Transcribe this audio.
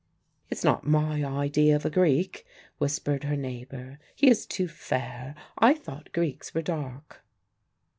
"It's not my idea of a Greek," whispered her neighbour. "He is too fair. I thought Greeks were dark."